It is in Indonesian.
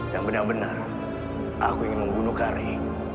dan benar benar aku ingin membunuh kari